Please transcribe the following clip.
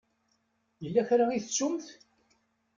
Yella kra i tettumt?